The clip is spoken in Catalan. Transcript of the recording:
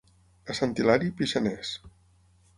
A Sant Hilari, pixaners.